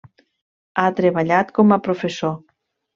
Ha treballat com a professor.